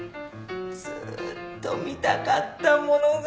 ずっと見たかったものが。